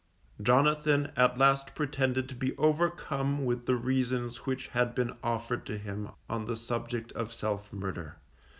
Jonathan at last pretended to be overcome with the reasons which had been offered to him on the subject of self murder.